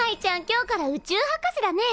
今日から宇宙博士だね！